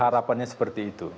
harapannya seperti itu